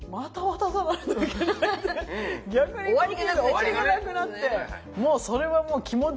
終わりがなくなっちゃう。